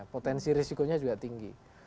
potensi risikonya juga tinggi